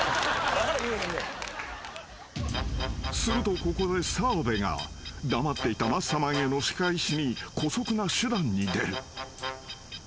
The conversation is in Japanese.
［するとここで澤部が黙っていたマッサマンへの仕返しに姑息な手段に出る］